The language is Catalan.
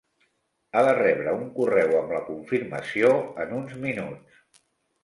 Ha de rebre un correu amb la confirmació en uns minuts.